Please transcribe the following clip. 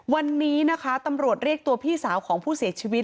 วันนี้นะคะตำรวจเรียกตัวพี่สาวของผู้เสียชีวิต